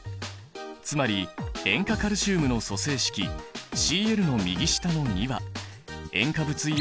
つまり塩化カルシウムの組成式Ｃｌの右下の２は塩化物イオンの数。